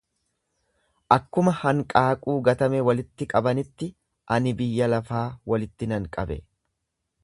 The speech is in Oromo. Akkuma hanqaaquu gatame walitti qabanitti ani biyya lafaa walitti nan qabe.